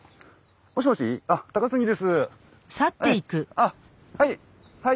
あっはい。